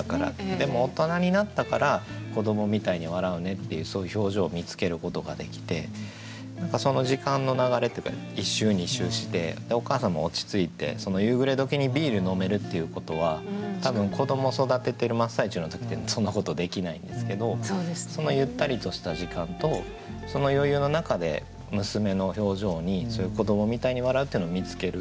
でも大人になったから「子どもみたいに笑ふね」っていうそういう表情を見つけることができて何かその時間の流れっていうか１周２周してお母さんも落ち着いて夕暮れ時にビール飲めるっていうことは多分子ども育ててる真っ最中の時ってそんなことできないんですけどそのゆったりとした時間とその余裕の中で娘の表情にそういう「子どもみたいに笑ふ」っていうのを見つける。